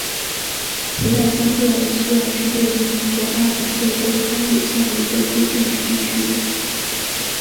普莱森特希尔是位于美国阿肯色州康韦县的一个非建制地区。